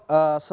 yang dari situ